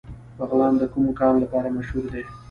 بغلان د کوم کان لپاره مشهور دی؟